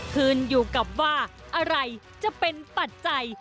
ขึ้นอยู่กับว่าอะไรจะเป็นปัจจัย